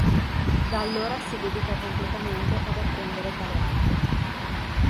Da allora si dedica completamente ad apprendere tale arte.